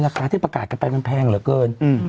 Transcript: ราคาที่ประกาศกันไปมันแพงเหลือเกิน